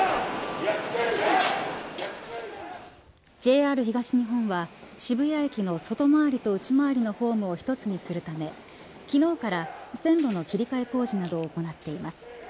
ＪＲ東日本は渋谷駅の外回りと内回りのホームを１つにするため、昨日から線路の切り替え工事などを行っています。